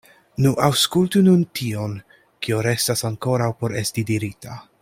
Nu, aŭskultu nun tion, kio restas ankoraŭ por esti dirita.